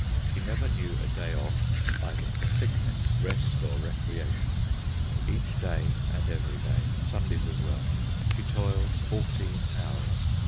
She never knew a day off, either for sickness, rest, or recreation. Each day and every day, Sundays as well, she toiled fourteen hours.